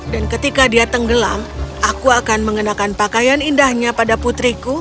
dan ketika dia tenggelam aku akan mengenakan pakaian indahnya pada putriku